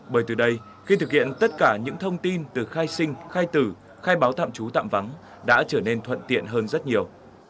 bởi từ đây khi thực hiện tất cả những thông tin từ khai sinh khai tử khai báo tạm trú tạm vắng đã trở nên thuận tiện hơn rất nhiều